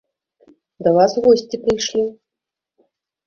Да вас госці прыйшлі.